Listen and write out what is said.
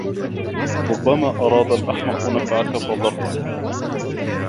ربما أراد الأحمق نفعك فضرك